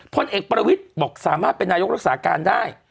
พลเอกประวิทย์บอกสามารถเป็นนายกรักษาการได้